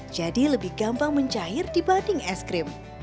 jadi lebih gampang mencair dibanding es krim